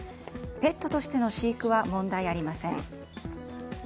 ペットとしての飼育は問題ありません。